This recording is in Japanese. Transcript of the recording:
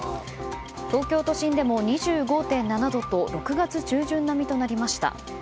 東京都心でも２５．７度と６月中旬並みとなりました。